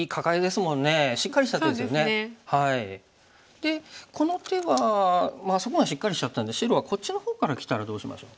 でこの手はあそこがしっかりしちゃったんで白はこっちの方からきたらどうしましょう。